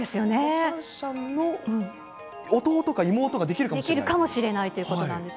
シャンシャンの弟か妹ができできるかもしれないということなんです。